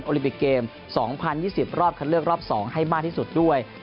ลิปิกเกม๒๐๒๐รอบคันเลือกรอบ๒ให้มากที่สุดด้วย